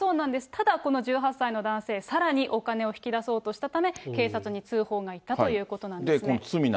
ただ、この１８歳の男性、さらにお金を引き出そうとしたため、警察に通報がいったということなんですね。